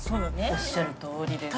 おっしゃるとおりです。